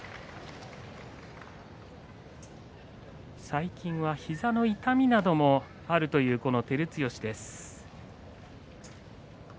最近は膝の痛みなどもあるという照強です。